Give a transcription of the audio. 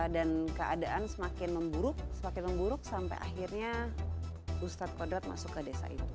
dan keadaan semakin memburuk sampai akhirnya ustad kodrat masuk ke desa itu